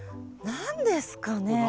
何ですか？